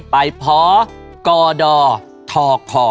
ไปพอก่อด่อทอกข่อ